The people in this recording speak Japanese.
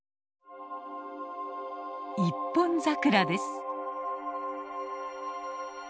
一本桜です。